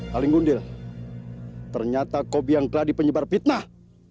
kaling gundil ternyata kobiang kladi penyebar fitnah